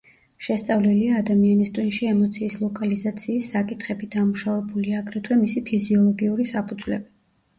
შესწავლილია ადამიანის ტვინში ემოციის ლოკალიზაციის საკითხები, დამუშავებულია აგრეთვე მისი ფიზიოლოგიური საფუძვლები.